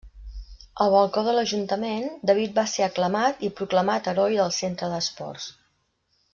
Al balcó de l'Ajuntament, David va ser aclamat i proclamat heroi del Centre d'Esports.